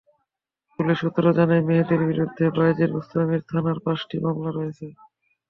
Police সূত্র জানায়, মেহেদির বিরুদ্ধে বায়েজীদ বোস্তামী থানায় পাঁচটি মামলা রয়েছে।